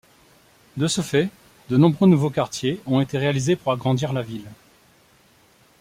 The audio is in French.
De ce fait, de nombreux nouveaux quartiers ont été réalisés pour agrandir la ville.